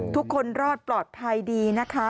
ทุกคนรอดปลอดภัยดีนะคะ